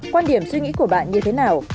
quan điểm suy nghĩ của bạn như thế nào